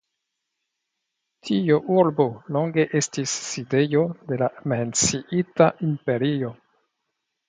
Tiu urbo longe estis sidejo de la menciita imperio.